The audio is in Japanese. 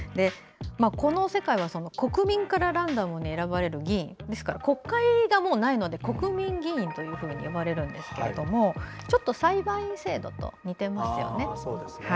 この世界は国民からランダムに選ばれる議員ですから、国会がもうないので国民議員と呼ばれるんですけども裁判員制度と似てますよね。